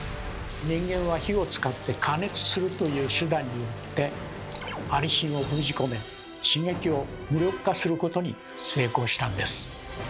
人間は火を使って「加熱する」という手段によってアリシンを封じ込め刺激を無力化することに成功したんです。